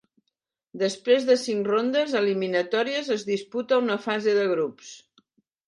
Després de cinc rondes eliminatòries, es disputa una fase de grups.